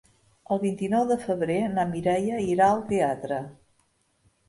El vint-i-nou de febrer na Mireia irà al teatre.